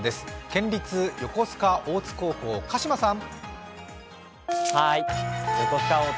県立横須賀大津高校、鹿島さん。